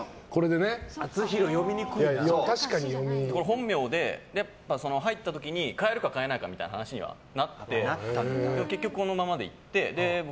本名で、入った時に変えるか変えないかみたいな話にはなって、でも結局このままでいって。